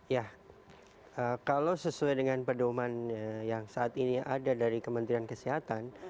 ya kalau sesuai dengan pedoman yang saat ini ada dari kementerian kesehatan